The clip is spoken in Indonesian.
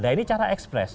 nah ini cara ekspres